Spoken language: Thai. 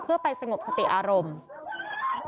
เพื่อไปสงบสติอารมณ์